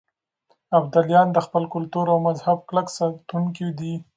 ابدالیان د خپل کلتور او مذهب کلک ساتونکي دي.